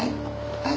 はい。